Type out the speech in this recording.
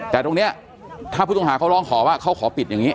แต่ตรงนี้ถ้าผู้ต้องหาเขาร้องขอว่าเขาขอปิดอย่างนี้